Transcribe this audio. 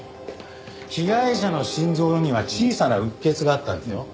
被害者の心臓には小さなうっ血があったんですよ。